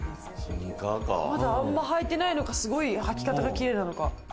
まだあまり履いてないのか、すごい履き方が綺麗なのか？